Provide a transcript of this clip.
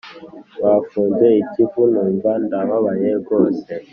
Bafunze ikivu numva ndababaye rwose